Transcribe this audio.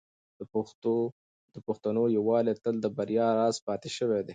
د پښتنو یووالی تل د بریا راز پاتې شوی دی.